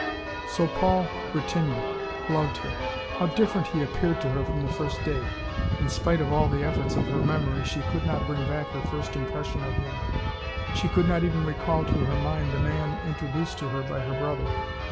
So Paul Bretigny loved her! How different he appeared to her from the first day! In spite of all the efforts of her memory, she could not bring back her first impression of him; she could not even recall to her mind the man introduced to her by her brother.